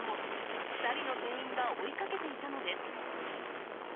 ２人の店員が追いかけていたのです。